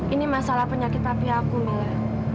ini masalah penyakit papi aku mila